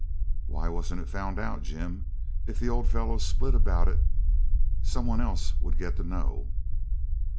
'Why wasn't it found out, Jim? If the old fellow "split" about it some one else would get to know.'